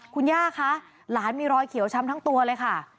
คุณย่าคะหลานมีรอยเขียวช้ำทั้งตัวเลยค่ะ